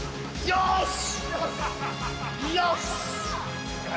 よし。